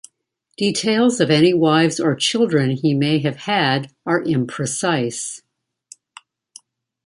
Details of any wives or children he may have had are imprecise.